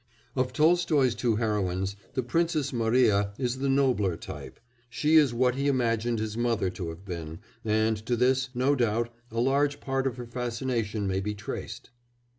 Of Tolstoy's two heroines the Princess Mariya is the nobler type; she is what he imagined his mother to have been, and to this, no doubt, a large part of her fascination may be traced.